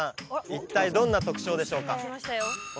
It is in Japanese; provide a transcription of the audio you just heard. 一体どんな特徴でしょうか？